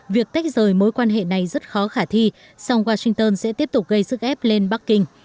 việc tách rời mối quan hệ này rất khó khả thi song washington sẽ tiếp tục gây sức ép lên bắc kinh